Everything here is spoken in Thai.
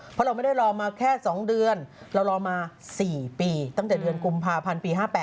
เพราะเราไม่ได้รอมาแค่๒เดือนเรารอมา๔ปีตั้งแต่เดือนกุมภาพันธ์ปี๕๘